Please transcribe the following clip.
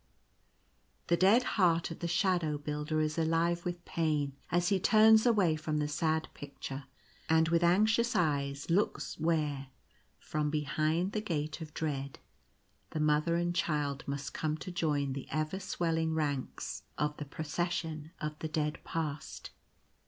The dead heart of the Shadow Builder is alive with pain as he turns away from the sad picture, and with anxious eyes looks where from behind the Gate of Dread, the Mother and Child must come to join the ever swelling ranks of the Procession of the Dead Past.